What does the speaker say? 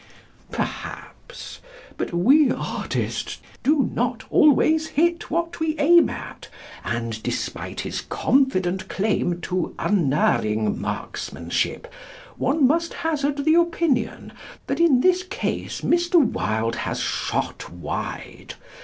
" Perhaps, but "we artists" do not always hit what we aim at, and despite his confident claim to unerring marksmanship, one must hazard the opinion, that in this case Mr. Wilde has "shot wide."